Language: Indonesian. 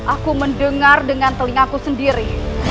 aku mendengar dengan telingaku sendiri